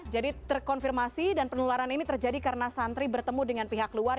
jadi terkonfirmasi dan penularan ini terjadi karena santri bertemu dengan pihak luar